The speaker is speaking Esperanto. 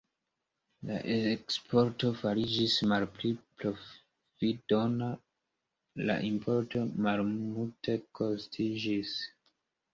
La eksporto fariĝis malpli profitdona, la importo malmultekostiĝis.